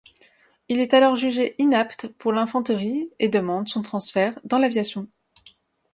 Il est alors jugé inapte pour l'infanterie et demande son transfert dans l'aviation.